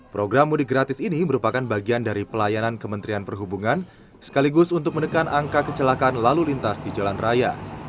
program mudik gratis ini merupakan bagian dari pelayanan kementerian perhubungan sekaligus untuk menekan angka kecelakaan lalu lintas di jalan raya